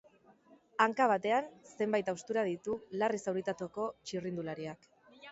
Hanka batean zenbait haustura ditu larri zauritutako txirrindulariak.